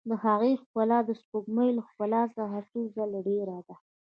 د هغې ښکلا د سپوږمۍ له ښکلا څخه څو ځلې ډېره ده.